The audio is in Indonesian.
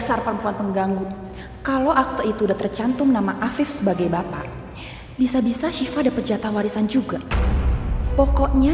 sampai jumpa di video selanjutnya